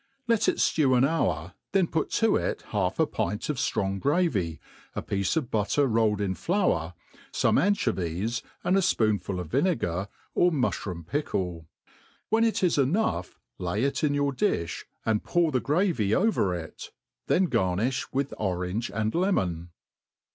Let it flew ag hour, then put to it half a pint of ftrong gravy, a* piece of butter rolled in flour, fome anchovie^, and a fpoonful of vinegar, or muQiroom pickle: when it is enough, lay it in your di(h,' and pour the gravy over it, then garnifh with orange and lemon.